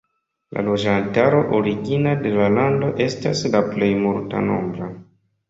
La loĝantaro origina de la lando estas la plej multnombra.